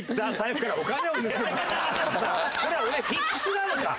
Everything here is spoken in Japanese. これは俺フィックスなのか？